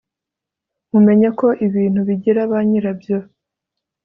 mumenye ko ibintu bigira banyirabyo